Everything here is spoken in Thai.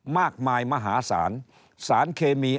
มากมายมหาศาลสารเคมี